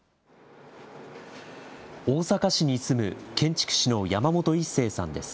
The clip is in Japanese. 大阪市に住む建築士の山本一清さんです。